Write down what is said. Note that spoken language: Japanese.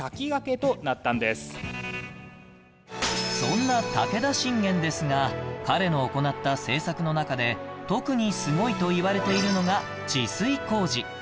そんな武田信玄ですが彼の行った政策の中で特にすごいといわれているのが治水工事